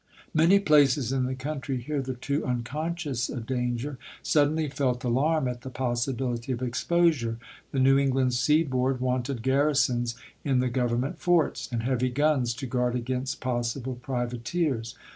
Many places in the country, hitherto unconscious of danger, suddenly felt alarm at the possibility of exposure. The New England seaboard wanted garrisons in the Government forts, and heavy guns to guard against possible privateers.